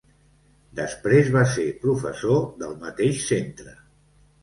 Després va ser professor del mateix centre.